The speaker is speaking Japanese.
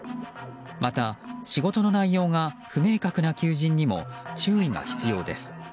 また仕事の内容が不明確な求人にも注意が必要です。